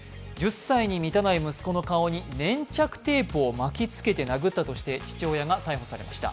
１０歳に満たない息子の顔に粘着テープを巻きつけて殴ったとして父親が逮捕されました。